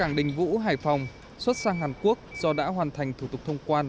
cảng đình vũ hải phòng xuất sang hàn quốc do đã hoàn thành thủ tục thông quan